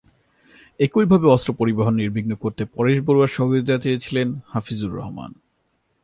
একইভাবে অস্ত্র পরিবহন নির্বিঘ্ন করতে পরেশ বড়ুয়ার সহযোগিতা চেয়েছিলেন হাফিজুর রহমান।